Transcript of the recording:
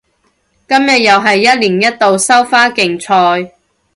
今日又係一年一度收花競賽